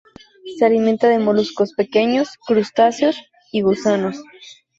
Se alimenta de moluscos, pequeños crustáceos y gusanos.